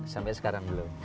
sampai sekarang belum